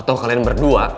atau kalian berdua